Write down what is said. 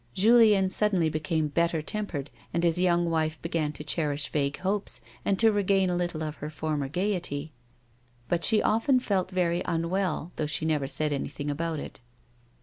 Julien suddenly became better tempered, and his young wife began to cherish vague hopes, and to regain a little of her former gaiety ; but she often felt very unwell, though she never said anything about it.